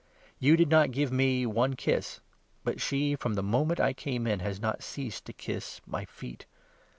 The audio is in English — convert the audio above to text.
You did not give me one 45 kiss, but she, from the moment I came in, has not ceased to kiss my feet.